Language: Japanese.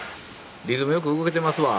リズムよく動けてますわ。